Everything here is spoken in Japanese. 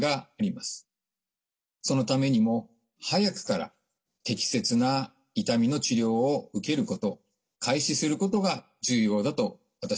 そのためにも早くから適切な痛みの治療を受けること開始することが重要だと私は感じています。